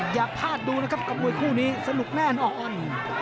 อยากพลาดดูนะครับกับมวยคู่นี้สนุกแน่นอน